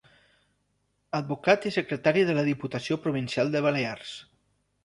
Advocat i secretari de la Diputació Provincial de Balears.